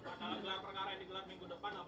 apabila keterangan dan alat bukti cukup